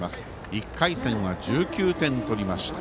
１回戦は１９点取りました。